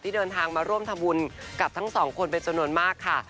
เดินทางมาร่วมทำบุญกับทั้งสองคนเป็นจำนวนมากค่ะ